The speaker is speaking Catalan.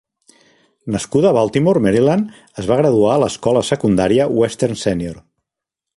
Nascuda a Baltimore, Maryland, es va graduar a l'Escola Secundària Western Senior.